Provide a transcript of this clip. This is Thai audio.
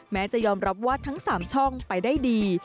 จะยอมรับว่าทั้ง๓ช่องไปได้ดี